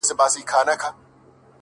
• نه را ګرځي بیا د اوسپني په ملو ,